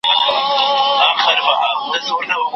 ګلالۍ په ډېرې نېکمرغۍ سره د دسترخوان پاتې شوني ټول کړل.